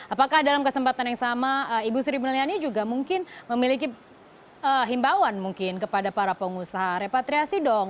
apakah dalam kesempatan yang sama ibu sri mulyani juga mungkin memiliki himbauan mungkin kepada para pengusaha repatriasi dong